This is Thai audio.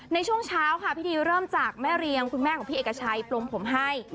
ในช่วงเช้าค่ะพิธีเริ่มจากแม่เรียงคุณแม่ของพี่เอกชัยปลงผมให้